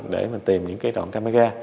để mình tìm những cái đoạn camera